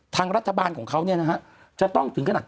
ทางรัฐบาลของเขาจะต้องถึงขนาด